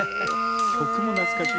曲も懐かしい。